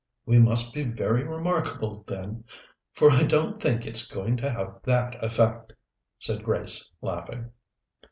"We must be very remarkable, then, for I don't think it's going to have that effect," said Grace, laughing.